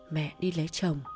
mẹ đi lấy chồng